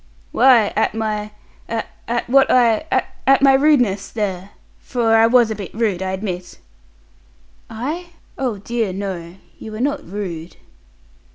"Why, at my at what I at my rudeness, there! For I was a bit rude, I admit." "I? Oh dear, no. You were not rude."